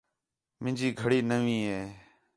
مِنجی گھڑی نوی ہے